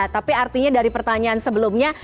tapi artinya dari pertanyaan sebelumnya